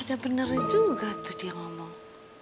ada beneran juga tuh dia ngomong